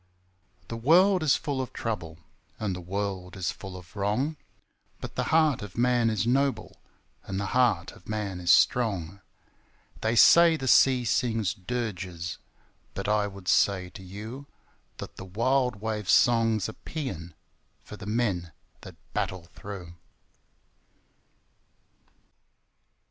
The world is full of trouble, And the world is full of wrong, But the heart of man is noble, And the heart of man is strong! They say the sea sings dirges, But I would say to you That the wild wave's song's a paean For the men that battle through.